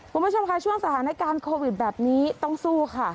คุณผู้ชมค่ะช่วงสถานการณ์โควิดแบบนี้ต้องสู้ค่ะ